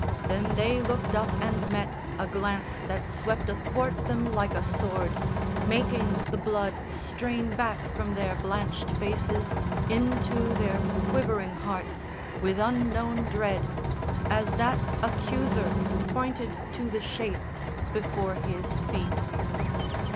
Then they looked up and met A glance that swept athwart them like a sword, Making the blood strain back from their blanched faces Into their quivering hearts, with unknown dread, As that accuser pointed to the shape Before his feet.